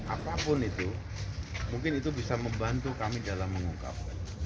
apapun itu mungkin itu bisa membantu kami dalam mengungkapkan